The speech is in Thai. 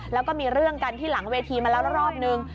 แล้วก็มีเรื่องกันที่หลังเวทีมาแล้วรอบนึง